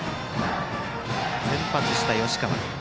先発した吉川。